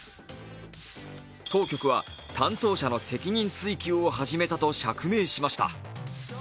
当局は担当者の責任追及を始めたと釈明しました。